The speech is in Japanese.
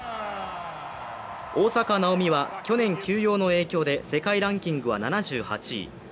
大坂なおみは去年、休養の影響で世界ランキングは７８位。